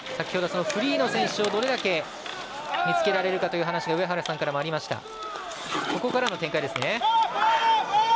フリーの選手をどれだけ見つけられるかという話が上原さんからもありました。